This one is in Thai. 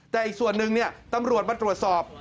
แต่อีกส่วนหนึ่งตำรวจมาตรวจสอบ